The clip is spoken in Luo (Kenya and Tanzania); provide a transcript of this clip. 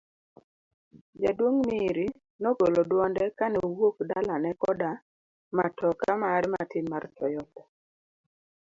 Jaduong' Miri nogolo dwonde kane owuok dalane koda matoka mare matin mar Toyota.